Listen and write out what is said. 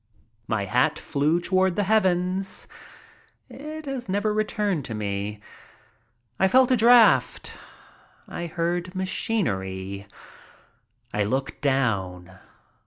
My hat flew toward the heavens. It has never returned to me. I felt a draught. I heard machinery. I looked down.